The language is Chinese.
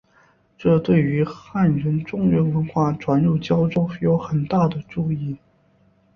这对于汉人中原文化传入交州有很大的助益。